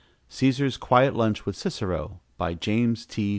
CÆSAR'S QUIET LUNCH WITH CICERO BY JAMES T.